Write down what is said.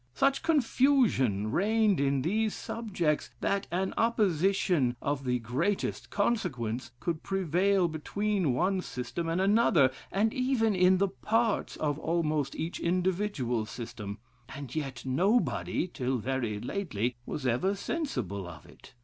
Such confusion reigned in these subjects, that an opposition of the greatest consequence could prevail between one system and another, and even in the parts of almost each individual system: and yet nobody, till very lately, was ever sensible of it.